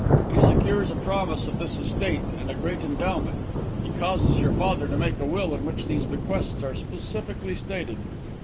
He secures a promise of this estate and a great endowment; he causes your father to make a will in which these bequests are specifically stated.